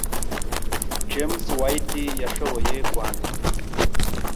James White yashoboye kwandika